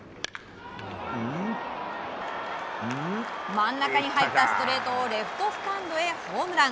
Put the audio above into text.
真ん中に入ったストレートをレフトスタンドへホームラン。